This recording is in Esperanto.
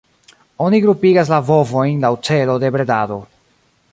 Oni grupigas la bovojn laŭ celo de bredado.